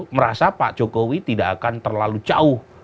merasa pak jokowi tidak akan terlalu jauh